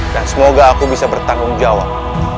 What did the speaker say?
dan semoga aku bisa bertanggung jawab